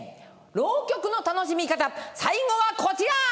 浪曲の楽しみ方最後はこちら！